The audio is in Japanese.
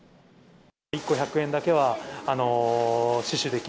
１個１００円だけは死守でき